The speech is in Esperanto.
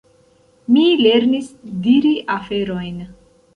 Mi lernis diri aferojn.